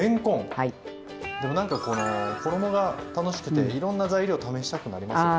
なんかこの衣が楽しくていろんな材料試したくなりますね。